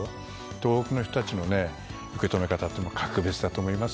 東北の人たちの受け止め方というのも格別だと思います。